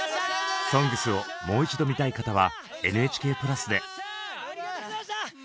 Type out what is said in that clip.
「ＳＯＮＧＳ」をもう一度見たい方はＮＨＫプラスで。